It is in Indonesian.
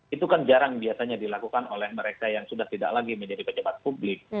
itu kan jarang biasanya dilakukan oleh mereka yang sudah tidak lagi menjadi pejabat publik